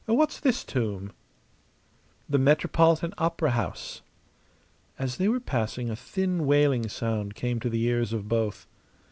What's this tomb?" "The Metropolitan Opera House." As they were passing a thin, wailing sound came to the ears of both.